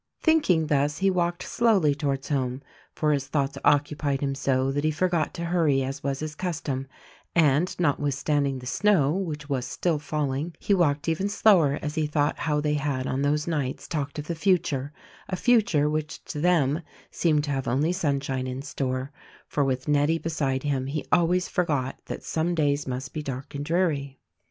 Thinking thus he walked slowly towards home ; for his thoughts occupied him so that he forgot to hurry as was his custom; and notwithstanding the snow, which was still falling, he walked even slower as he thought how thev had on those nights talked of the future, a future which to 'them seemed to have only sunshine in store — for with Nettie beside him he always forgot that "Some davs must be dark and dreary."